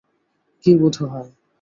কী বোধ হয়?